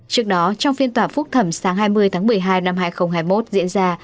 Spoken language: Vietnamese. trước đó trong phiên tòa phúc thẩm sáng hai mươi tháng một mươi hai năm hai nghìn hai mươi một diễn ra